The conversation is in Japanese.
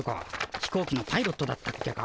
ひこうきのパイロットだったっけか？